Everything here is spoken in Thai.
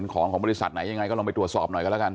ของของบริษัทไหนยังไงก็ลองไปตรวจสอบหน่อยกันแล้วกัน